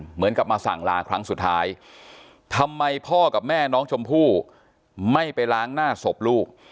เหมือนกับมาสั่งลาครั้งสุดท้ายทำไมพ่อกับแม่น้องชมพู่ไม่ไปล้างหน้าศพลูก